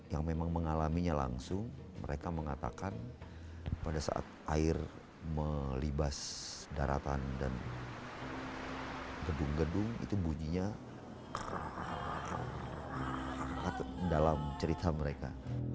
yang memang mengalaminya langsung mereka mengatakan pada saat air melibas daratan dan gedung gedung itu bunyinya dalam cerita mereka